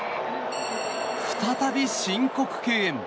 再び申告敬遠。